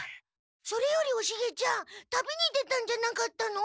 それよりおシゲちゃん旅に出たんじゃなかったの？